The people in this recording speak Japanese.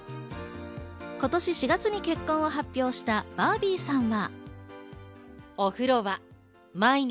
今年４月に結婚を発表したバービーさんは。